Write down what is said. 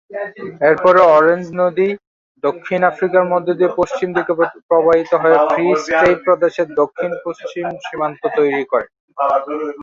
এর পরে অরেঞ্জ নদী দক্ষিণ আফ্রিকার মধ্য দিয়ে পশ্চিম দিকে প্রবাহিত হয়ে ফ্রি স্টেট প্রদেশের দক্ষিণ-পশ্চিম সীমান্ত তৈরি করে।